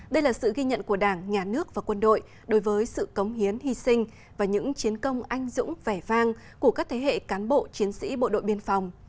đây là sự ghi nhận của đảng nhà nước và quân đội đối với sự cống hiến hy sinh và những chiến công anh dũng vẻ vang của các thế hệ cán bộ chiến sĩ bộ đội biên phòng